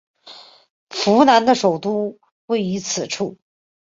扶南的首都位于此处。